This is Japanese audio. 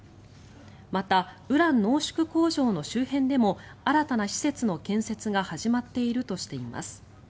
また、ウラン濃縮工場の周辺でも新たな施設の建設が始まっているとしています。